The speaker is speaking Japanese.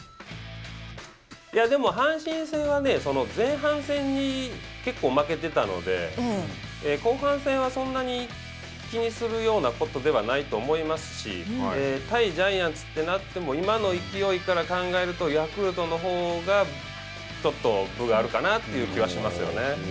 でも、阪神戦は前半戦で結構負けてたので後半戦はそんなに気にするようなことではないと思いますし対ジャイアンツってなっても今の勢いから考えるとヤクルトのほうがちょっと分があるかなという気はしますよね。